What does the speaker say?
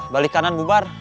balik kanan bumar